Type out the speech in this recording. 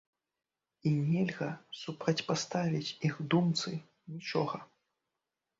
І нельга супрацьпаставіць іх думцы нічога!